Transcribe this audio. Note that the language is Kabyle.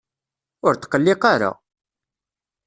Ur tqelliq ara!